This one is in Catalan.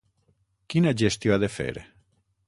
Quina gestió ha de fer?